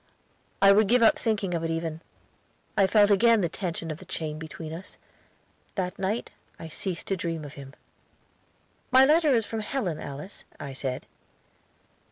I would give up thinking of it even! I felt again the tension of the chain between us. That night I ceased to dream of him. "My letter is from Helen, Alice," I said.